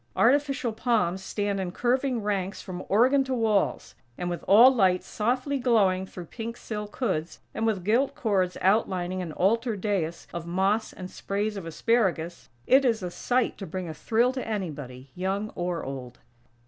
Artificial palms stand in curving ranks from organ to walls; and, with all lights softly glowing through pink silk hoods; and with gilt cords outlining an altar dais of moss and sprays of asparagus, it is a sight to bring a thrill to anybody, young or old.